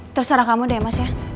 terserah kamu deh ya mas ya